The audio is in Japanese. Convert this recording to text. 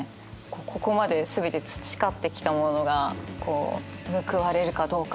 ここまで全て培ってきたものがこう報われるかどうかの瞬間みたいな。